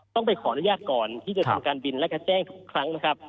ต้องไปขออนุญาตก่อนที่จะทำการบินและก็แจ้งทุกครั้งนะครับ